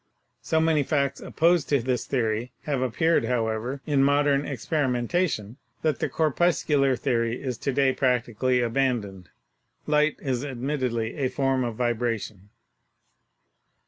So many facts opposed to this theory have appeared, however, in modern experimentation that the corpuscular theory is to day practically abandoned. Light is admittedly a form of vibration.